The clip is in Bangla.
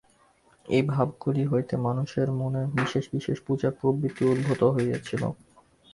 এই ভাবগুলি হইতে মানুষের মনে বিশেষ বিশেষ পূজার প্রবৃত্তি উদ্ভূত হইয়াছিল।